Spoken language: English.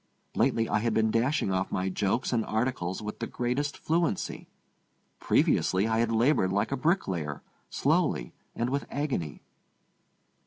Lately I had been dashing off my jokes and articles with the greatest fluency. Previously I had labored like a bricklayer, slowly and with agony.